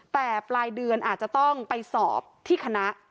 แต่ปลายเดือนอาจจะต้องไปสอบที่คณะ